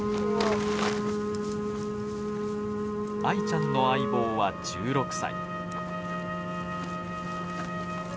アイちゃんの相棒は１６歳。